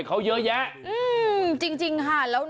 โอ้โห